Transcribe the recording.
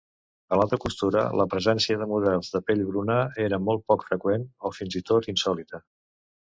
A l'alta costura, la presència de models de pell bruna era molt poc freqüent o, fins i tot, insòlita.